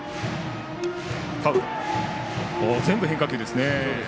全部、変化球ですね。